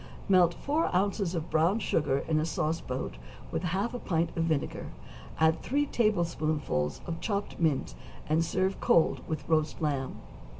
= Melt four ounces of brown sugar in a sauce boat with half a pint of vinegar, add three tablespoonfuls of chopped mint, and serve cold with roast lamb.